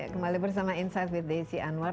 kembali bersama insight with desi anwar